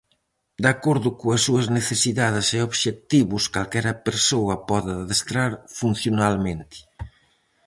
De acordo coas súas necesidades e obxectivos calquera persoa pode adestrar funcionalmente.